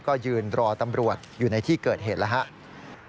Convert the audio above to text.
ก็ยืนรอตำรวจอยู่ในที่เกิดเหตุแล้วครับ